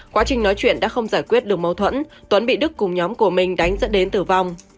quá trình nói chuyện đã không giải quyết được mâu thuẫn tuấn bị đức cùng nhóm của mình đánh dẫn đến tử vong